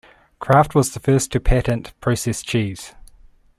Kraft was the first to patent processed cheese.